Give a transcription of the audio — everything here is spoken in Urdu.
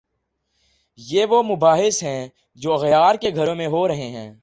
یہ وہ مباحث ہیں جو اغیار کے گھروں میں ہو رہے ہیں؟